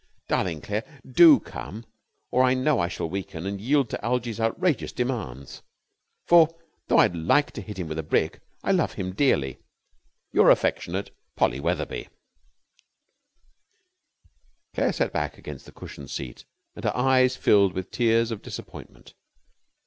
Darling Claire, do come, or I know I shall weaken and yield to Algie's outrageous demands, for, though I would like to hit him with a brick, I love him dearly. Your affectionate POLLY WETHERBY Claire sank back against the cushioned seat and her eyes filled with tears of disappointment.